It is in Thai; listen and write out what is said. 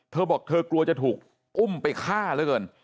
เธอบอกเธอกลัวจะถูกอุ้มไปฆ่าเหลือเกิน